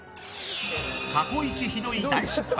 過去一ひどい大失敗。